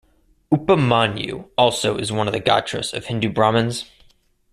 "Upamanyu" also is one of the gotras of Hindu brahmins.